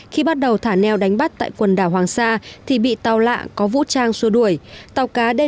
khi bắt đầu thả neo đánh bắt tại quần đảo hoàng sa thì bị tàu lạ có vũ trang xua đuổi